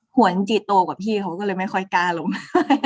วนจิตโตกว่าพี่เขาก็เลยไม่ค่อยกล้าลงมา